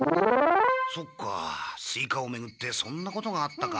そっかスイカを巡ってそんなことがあったか。